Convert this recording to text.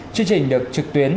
chương trình được trực tuyến